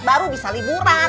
baru bisa liburan